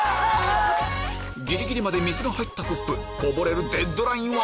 ギリギリまで水が入ったコップこぼれるデッドラインは？